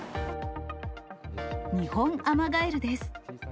ニホンアマガエルです。